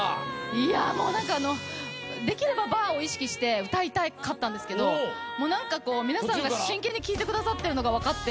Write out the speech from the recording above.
できればバーを意識して歌いたかったんですけど何か皆さんが真剣に聴いてくださってるのが分かって。